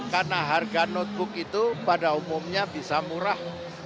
karena harga notebook itu pada umumnya bisa murah